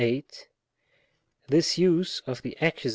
This use of the Accus.